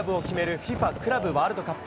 ＦＩＦＡクラブワールドカップ。